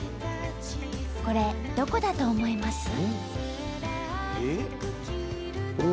これどこだと思います？